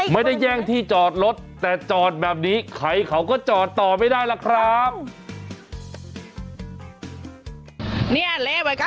แย่งที่จอดรถแต่จอดแบบนี้ใครเขาก็จอดต่อไม่ได้ล่ะครับ